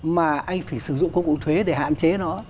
mà anh phải sử dụng công cụ thuế để hạn chế nó